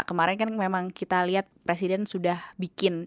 kemarin kan memang kita lihat presiden sudah bikin